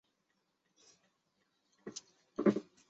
岛屿铁甲虫为金花虫科窄颈铁甲虫属下的一个种。